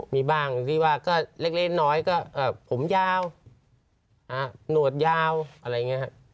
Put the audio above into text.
มีบ้างที่ว่าก็เล็กน้อยก็ผมยาวหนวดยาวอะไรอย่างนี้ครับ